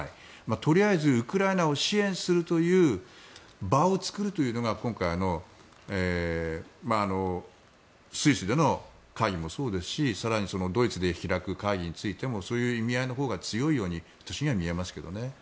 とりあえずウクライナを支援するという場を作るというのが今回のスイスでの会議もそうですし更にドイツで開く会議についてもそういう意味合いのほうが強いように私には見えますけどね。